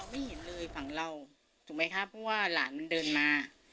ไม่เห็นเลยฝั่งเราถูกไหมคะเพราะว่าหลานมันเดินมา